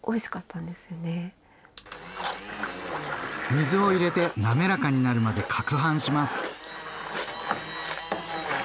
水を入れて滑らかになるまでかくはんします。